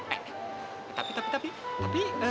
eh tapi tapi tapi tapi